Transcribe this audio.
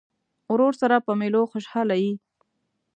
ورور سره په مېلو خوشحاله یې.